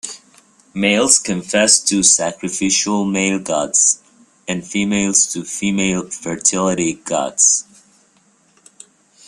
Males confessed to sacrificial male gods, and females to female fertility gods.